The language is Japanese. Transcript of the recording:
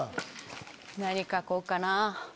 何書こうかな。